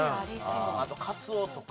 あとカツオとか。